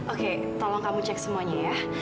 oke tolong kamu cek semuanya ya